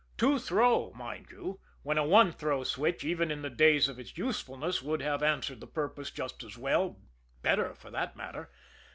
Two throw, mind you, when a one throw switch, even in the days of its usefulness, would have answered the purpose just as well, better for that matter.